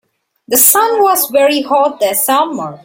The sun was very hot this summer.